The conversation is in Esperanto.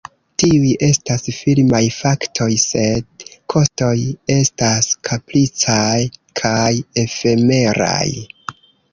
Tiuj estas firmaj faktoj, sed kostoj estas kapricaj kaj efemeraj.